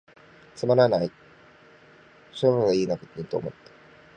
つまらない、癈せばいゝのにと思つた。